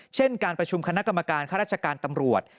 เช่นการประชุมคณะกรรมการค่าราชการตำรวจ